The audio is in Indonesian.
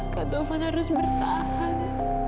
kak ufaan harus bertahan